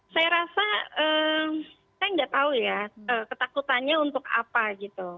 saya rasa saya nggak tahu ya ketakutannya untuk apa gitu